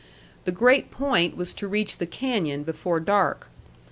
The great point was to reach the canyon before dark.